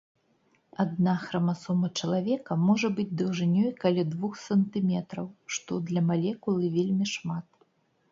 Адна храмасома чалавека можа быць даўжынёй каля двух сантыметраў, што для малекулы вельмі шмат.